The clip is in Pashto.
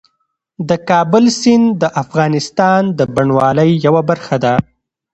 د کابل سیند د افغانستان د بڼوالۍ یوه برخه ده.